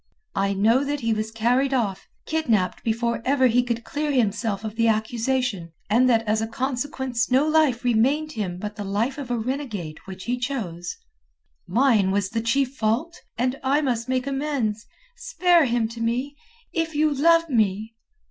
I know that he was carried off, kidnapped before ever he could clear himself of the accusation, and that as a consequence no life remained him but the life of a renegade which he chose. Mine was the chief fault. And I must make amends. Spare him to me! If you love me...."